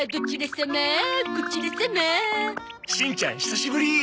しんちゃん久しぶり！